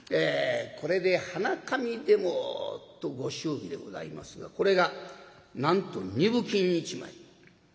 これで鼻紙でも」とご祝儀でございますがこれがなんと二分金一枚。